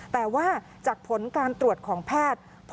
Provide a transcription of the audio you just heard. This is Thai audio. แต่ว่าจากผลการตรวจของแพทย์